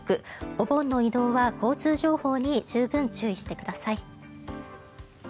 お盆の移動は交通情報に十分注意してください。